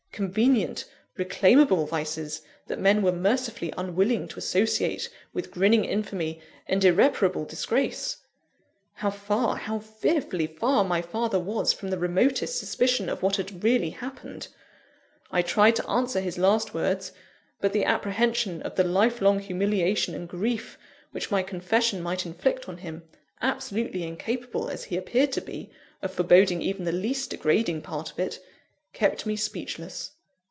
convenient, reclaimable vices, that men were mercifully unwilling to associate with grinning infamy and irreparable disgrace! How far how fearfully far, my father was from the remotest suspicion of what had really happened! I tried to answer his last words, but the apprehension of the life long humiliation and grief which my confession might inflict on him absolutely incapable, as he appeared to be, of foreboding even the least degrading part of it kept me speechless.